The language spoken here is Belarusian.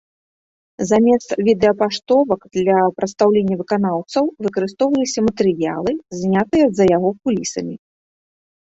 Замест відэапаштовак для прадстаўлення выканаўцаў выкарыстоўваліся матэрыялы, знятыя за яго кулісамі.